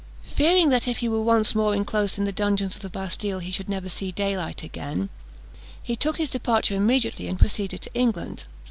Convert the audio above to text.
Fearing that if he were once more enclosed in the dungeons of the Bastille he should never see daylight again, he took his departure immediately and proceeded to England.